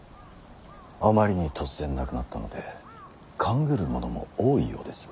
あまりに突然亡くなったので勘ぐる者も多いようです。